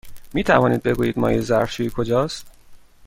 می توانید بگویید مایع ظرف شویی کجاست؟